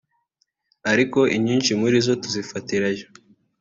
ariko inyinshi muri zo tuzifatirayo